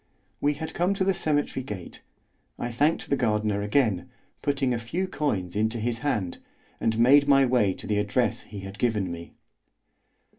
We had come to the cemetery gate. I thanked the gardener again, putting a few coins into his hand, and made my way to the address he had given me.